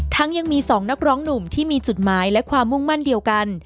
ยังมี๒นักร้องหนุ่มที่มีจุดหมายและความมุ่งมั่นเดียวกัน